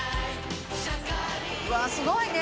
うわっすごいね。